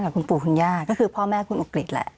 คุณปู่คุณย่าก็คือพ่อแม่คุณอุกฤษแหละ